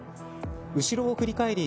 後ろを振り返り